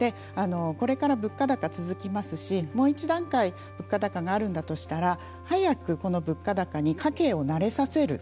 これから物価高が続きますしもう一段階物価高があるんだとしたら早くこの物価高に家計を慣れさせる。